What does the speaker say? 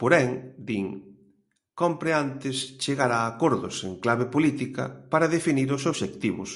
"Porén", din, "cómpre antes chegar a acordos en clave política para definir os obxectivos".